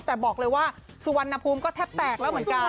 แต่บอกเลยว่าสุวรรณภูมิก็แทบแตกแล้วเหมือนกัน